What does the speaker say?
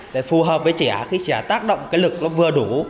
để phù hợp với trẻ khi trẻ tác động cái lực nó vừa đủ